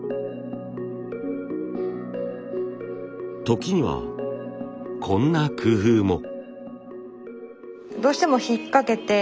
時にはこんな工夫も。